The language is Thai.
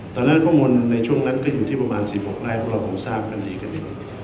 ตอนนั้นข้อมูลในช่วงนั้นก็อยู่ที่ประมาณ๑๖ไร่เพราะเราคงทราบกันดีคดี